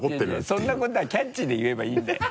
そんなことは「キャッチ！」で言えばいいんだよ。